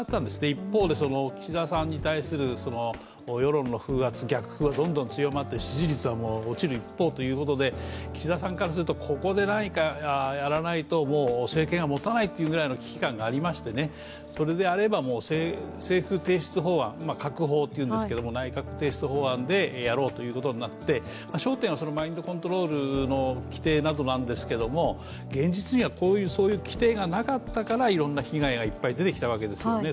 一方で岸田さんに対する世論の風圧、逆風がどんどん強まって支持率は落ちる一方ということで岸田さんからすると、ここで何かやらないと政権がもたないというくらいの危機感がありまして、それであれば、政府提出法案閣法というんですが内閣提出法案でやろうということになって、焦点はそのマインドコントロールの規定なんですけど現実にはこういう規定がなかったからいろんな被害がいっぱい出てきたわけですよね。